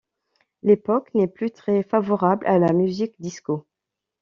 L'époque n'est plus très favorable à la musique disco.